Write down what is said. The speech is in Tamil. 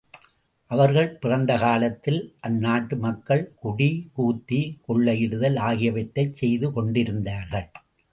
அவர்கள் பிறந்த காலத்தில், அந்நாட்டு மக்கள் குடி, கூத்தி, கொள்ளையிடுதல் ஆகியவற்றைச் செய்து கொண்டிருந்தார்கள்.